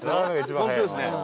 本当ですね。